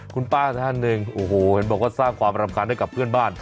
คุณป้าท่านหนึ่งโอ้โหเห็นบอกว่าสร้างความรำคาญให้กับเพื่อนบ้าน